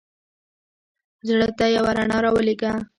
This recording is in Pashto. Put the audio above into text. زړه ته یوه رڼا را ولېږه.